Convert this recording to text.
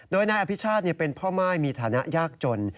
โดยนายอภิชาติเป็นพ่อม่ายมีฐานะยากจน